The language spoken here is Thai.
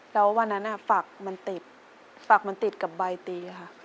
แล้ววันนั้นฝากมันติดกับใบตี